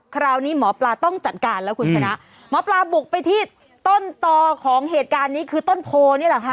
คราวนี้หมอปลาต้องจัดการแล้วคุณชนะหมอปลาบุกไปที่ต้นต่อของเหตุการณ์นี้คือต้นโพนี่แหละค่ะ